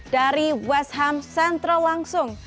dari west ham central langsung